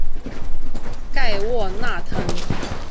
盖沃纳滕。